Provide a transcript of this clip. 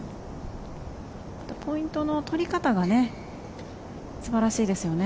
ポイントの取り方が素晴らしいですよね